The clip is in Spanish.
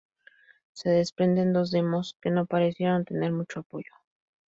Se desprenden dos demos que no parecieron tener mucho apoyo.